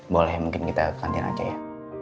boleh mungkin kita ke kantin aja ya